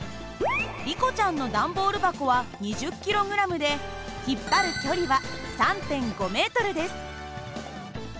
リコちゃんの段ボール箱は２０ｋｇで引っ張る距離は３．５ｍです。